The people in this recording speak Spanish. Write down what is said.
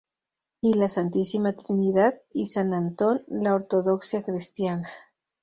Y la Santísima Trinidad y San Antón la ortodoxia cristiana.